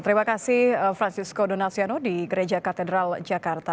terima kasih francisco donald siano di gereja katedral jakarta